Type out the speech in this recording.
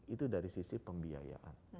itu dari sisi pembiayaan